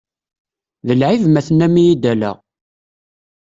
D lɛib ma tennam-iyi-d ala!